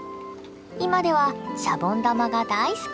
今ではシャボン玉が大好き。